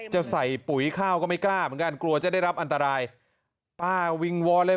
จะใส่ปุ๋ยข้าวก็ไม่กล้าเหมือนกันกลัวจะได้รับอันตรายป้าวิงวอนเลย